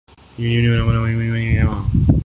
فیض صاحب بہرحال خوب بات کہہ گئے۔